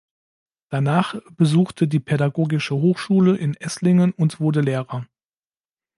Danach besuchte die Pädagogische Hochschule in Esslingen und wurde Lehrer.